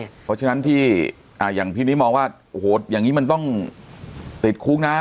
เพราะฉะนั้นที่อย่างพี่นิมองว่าโอ้โหอย่างนี้มันต้องติดคุกนะ